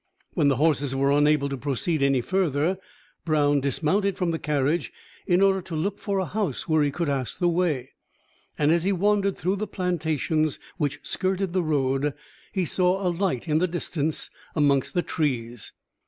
When the horses were unable to proceed any further, Brown dismounted from the carriage in order to look for a house where he could ask the way; and as he wandered through the plantations which skirted the road, he saw a light in the distance amongst the trees.